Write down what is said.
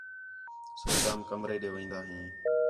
سوچام کمرے ݙے وین٘دا ہیں